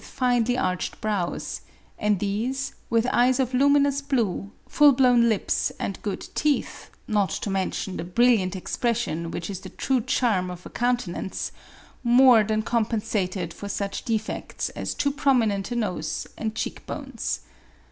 453 finely arched brows ; and these, with eyes of luminous blue, full blown lips and good teeth, not to mention the brilliant expression which is the true charm of a coun tenance, more than compensated for such defects as too prominent a nose and cheek bones.